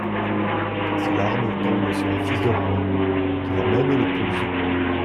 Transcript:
Ses larmes tombent sur un fils de roi, qui l'emmène et l'épouse.